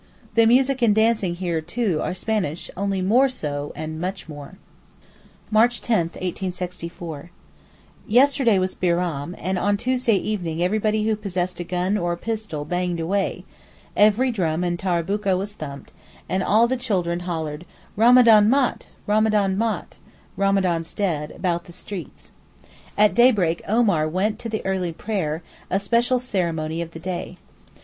The music and dancing here, too, are Spanish, only 'more so' and much more. March 10, 1864.—Yesterday was Bairam, and on Tuesday evening everybody who possessed a gun or a pistol banged away, every drum and taraboukeh was thumped, and all the children holloaed, Ramadan Māt, Ramadan Māt (Ramadan's dead) about the streets. At daybreak Omar went to the early prayer, a special ceremony of the day.